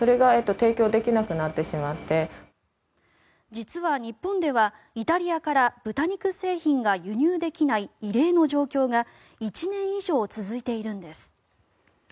実は日本ではイタリアから豚肉製品が輸入できない異例の状況が１年以上続いているんです。